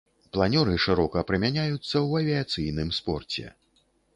Планёры шырока прымяняюцца ў авіяцыйным спорце.